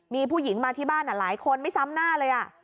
มีผู้หญิงมาที่บ้านหลายคนไม่ซ้ำหน้าเลย